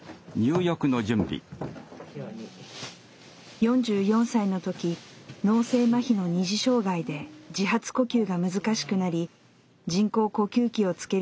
４４歳の時脳性まひの二次障害で自発呼吸が難しくなり人工呼吸器をつけるため気管を切開。